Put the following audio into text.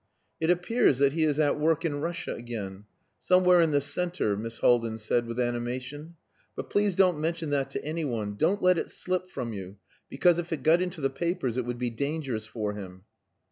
"It appears that he is at work in Russia again. Somewhere in the centre," Miss Haldin said, with animation. "But please don't mention that to any one don't let it slip from you, because if it got into the papers it would be dangerous for him."